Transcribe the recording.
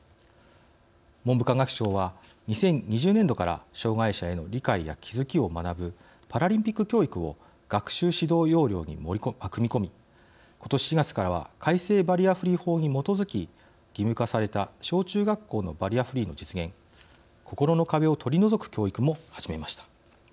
文部科学省は２０２０年度から障害者への理解や気づきを学ぶパラリンピック教育を学習指導要領に組み込みことし４月からは改正バリアフリー法に基づき義務化された小中学校のバリアフリーの実現心の壁を取り除く教育も始めました。